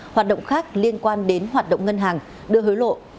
hoạt động khác liên quan đến hoạt động ngân hàng đưa hối lộ